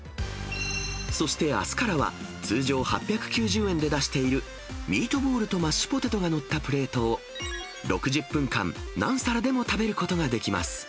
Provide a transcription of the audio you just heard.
そしてあすからは、通常８９０円で出している、ミートボールとマッシュポテトが載ったプレートを、６０分間何皿でも食べることができます。